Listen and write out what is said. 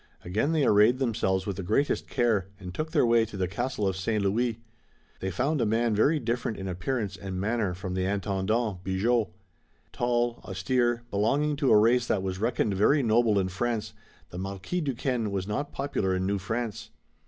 Again they arrayed themselves with the greatest care, and took their way to the Castle of St. Louis. They found a man very different in appearance and manner from the Intendant, Bigot. Tall, austere, belonging to a race that was reckoned very noble in France, the Marquis Duquesne was not popular in New France.